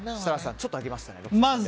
ちょっと上げましたね。